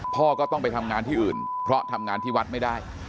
พ่อก็ต้องไปทำงานที่อื่นเพราะทำงานที่วัดไม่ได้